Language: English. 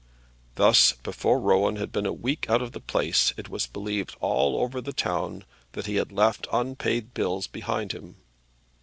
Thus before Rowan had been a week out of the place it was believed all over the town that he had left unpaid bills behind him.